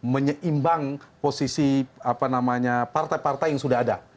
menyeimbang posisi apa namanya partai partai yang sudah ada